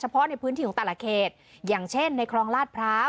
เพราะในพื้นที่ของแต่ละเขตอย่างเช่นในคลองลาดพร้าว